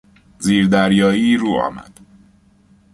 زیر دریایی روآمد.